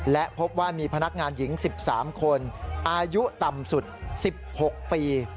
และพบว่ามีพนักงานหญิง๑๓คนอายุต่ำสุด๑๖ปี